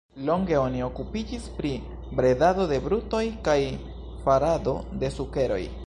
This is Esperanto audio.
Longe oni okupiĝis pri bredado de brutoj kaj farado de sukeroj.